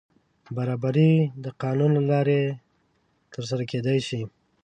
برابري د قانون له لارې تر سره کېدای شي.